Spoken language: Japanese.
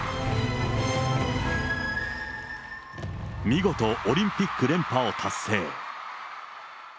見事、オリンピック連覇を達成。